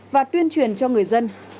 và tuyên truyền cho người dân